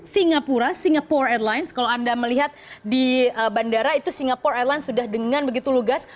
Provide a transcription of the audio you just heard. singapura singapore airlines kalau anda melihat di bandara itu singapore airline sudah dengan begitu lugas